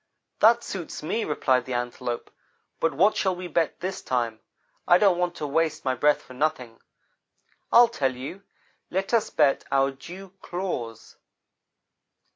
"'That suits me,' replied the Antelope, 'but what shall we bet this time? I don't want to waste my breath for nothing. I'll tell you let us bet our dew claws.'